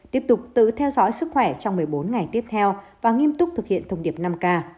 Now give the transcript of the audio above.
tiếp tục tự theo dõi sức khỏe trong một mươi bốn ngày tiếp theo và nghiêm túc thực hiện thông điệp năm k